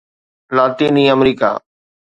لاطيني آمريڪا